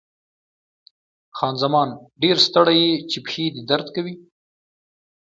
خان زمان: ډېر ستړی یې، چې پښې دې درد کوي؟